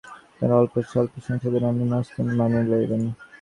আপনার অল্প স্বল্প সংশোধন আমি নতমস্তকে মানিয়া লইলাম।